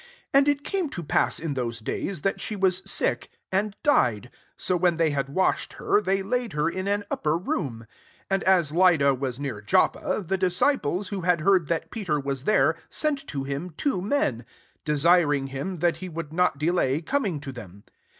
37 And it came to pass, in those days, that she was sick and died : so when they had washed her, they laid her in an upper room, 38 And as Lydda was near Joppa, the disciples, who had heard that Peter was there, sent to him [two menj ; desiring him that he would not delay coming to '■ them.